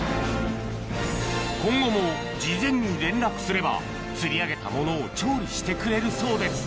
今後も事前に連絡すれば釣り上げたものを調理してくれるそうです